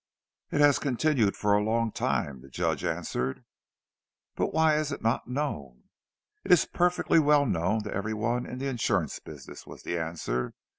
"It has continued for a long time," the Judge answered. "But why is it not known?" "It is perfectly well known to every one in the insurance business," was the answer.